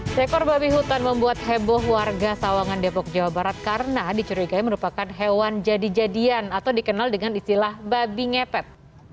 seekor babi hutan membuat heboh warga sawangan depok jawa barat karena dicurigai merupakan hewan jadi jadian atau dikenal dengan istilah babi ngepet